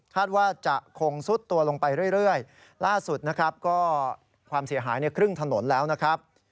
ว่าจะคงซุดตัวลงไปเรื่อยล่าสุดนะครับก็ความเสียหายในครึ่งถนนแล้วนะครับ